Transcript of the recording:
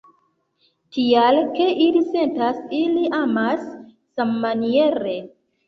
Tial ke ili sentas, ili amas sammaniere.